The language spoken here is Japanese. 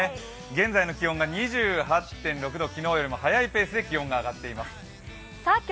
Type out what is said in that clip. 現在の気温が２８．６度、昨日よりも速いペースで上がっています。